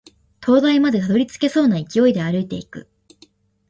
灯台までたどり着けそうな勢いで歩いていく